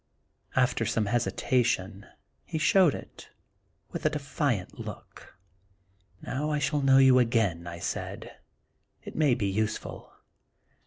After some hesitation he showed it, with a defiant look. " Now I shall know you again," I said; "it may be useful."